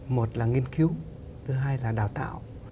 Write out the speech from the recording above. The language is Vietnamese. một là nghiên cứu thứ hai là đào tạo